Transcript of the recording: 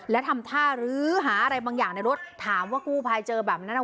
และทำท่ารื้อหาอะไรบางอย่างในรถถามว่ากู้ภัยเจอแบบนั้น